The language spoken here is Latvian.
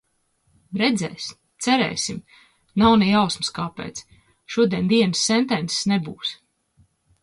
Redzēs. Cerēsim. Nav ne jausmas, kāpēc. Šodien dienas sentences nebūs.